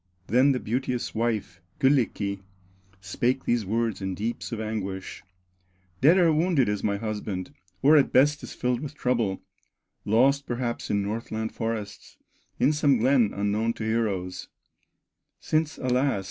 Then the beauteous wife, Kyllikki, Spake these words in deeps of anguish: "Dead or wounded is my husband, Or at best is filled with trouble, Lost perhaps in Northland forests, In some glen unknown to heroes, Since alas!